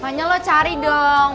pokoknya lo cari dong